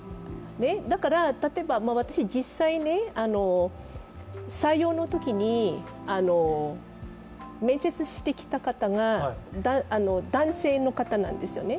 だから例えば実際、私、採用のときに面接してきた方が、男性の方なんですよね。